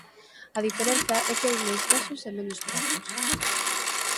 A diferenza é que hai máis vasos e menos pratos.